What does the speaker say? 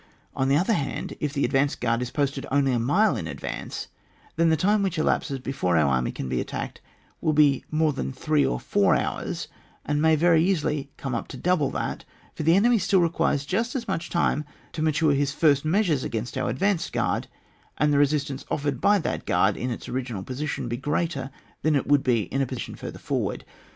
On the other hand, if the ad vanced guard is posted only a mile in advance, then the time which will elapse before our army can be attacked will be more than three or four hours, and may very easily come up to double that, for the enemy still requires j^ust as much time to mature his first measures against our advanced guard, and the resistance offered by that guard in its original position will be greater than it would be in a position further forward.